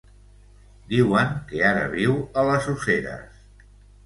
Diuen que ara viu a les Useres.